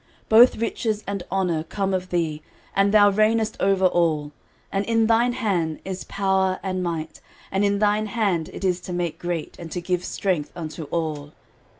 13:029:012 Both riches and honour come of thee, and thou reignest over all; and in thine hand is power and might; and in thine hand it is to make great, and to give strength unto all.